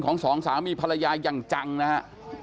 ของสองสามีภรรยายอย่างจังนะครับ